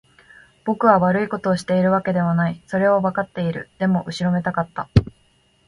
僕は悪いことをしているわけではない。それはわかっている。でも、後ろめたかった。